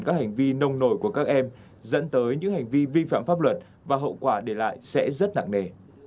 các hành vi nông nổi của các em dẫn tới những hành vi vi phạm pháp luật và hậu quả để lại sẽ rất nặng nề